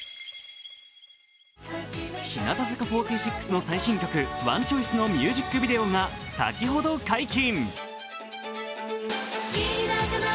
日向坂４６の最新曲「Ｏｎｅｃｈｏｉｃｅ」のミュージックビデオが先ほど解禁。